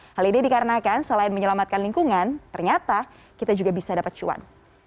hal ini dikarenakan selain menyelamatkan lingkungan ternyata kita juga bisa dapat cuan